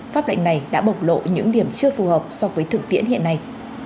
pháp lệnh này đã bộc lộ những điểm chưa phù hợp so với thực tiễn hiện nay